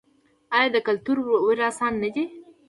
آیا د یو کلتور وارثان نه دي؟